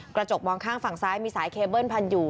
กระจกมองข้างฝั่งซ้ายมีสายเคเบิ้ลพันอยู่